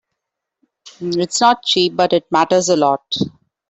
It's not cheap, but it matters a lot.